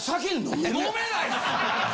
飲めないっす。